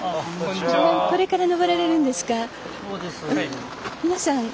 これから登られるんですか？